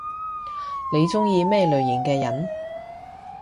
你中意咩類型嘅人？